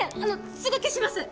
すぐ消します